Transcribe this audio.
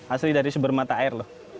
asli dari sumber mata air loh